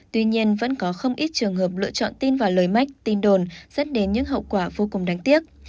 tuy nhiên vẫn có không ít trường hợp lựa chọn tin vào lời mách tin đồn dẫn đến những hậu quả vô cùng đáng tiếc